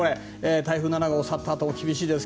台風７号が去ったあとでも厳しいです。